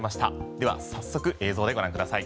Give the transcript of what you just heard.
では早速映像でご覧ください。